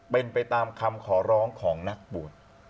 เป็นไปตามคำขอร้องของนักบวช